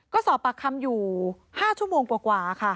ก็สอบปากคำอยู่๕ชั่วโมงกว่าค่ะ